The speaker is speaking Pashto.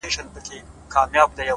او د دنيا له لاسه ـ